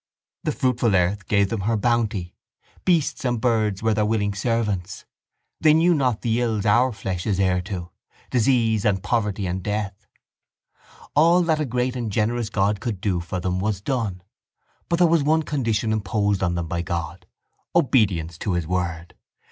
The fruitful earth gave them her bounty: beasts and birds were their willing servants: they knew not the ills our flesh is heir to, disease and poverty and death: all that a great and generous God could do for them was done. But there was one condition imposed on them by God: obedience to His word.